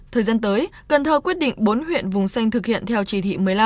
thời gian tới cần thơ quyết định bốn huyện vùng xanh thực hiện theo chỉ thị một mươi năm